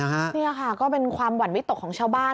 นี่ค่ะก็เป็นความหวั่นวิตกของชาวบ้าน